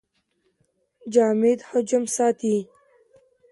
جامد حجم ساتي.